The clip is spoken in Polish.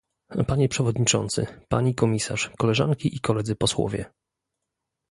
Panie przewodniczący, pani komisarz, koleżanki i koledzy posłowie